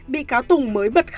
bị cáo tùng mới được giải thích